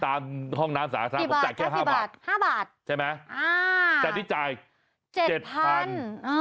ตามห้องน้ำสาธารณะผมจ่ายแค่๕บาทใช่ไหมจัดที่จ่าย๗๐๐๐บาท